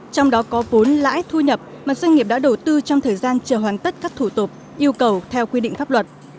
trong đó có bốn lãi thu nhập mà doanh nghiệp đã đầu tư trong thời gian chờ hoàn tất các thủ tục yêu cầu theo quy định pháp luật